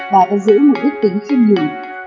bà vẫn giữ mục đích tính khiêm nhường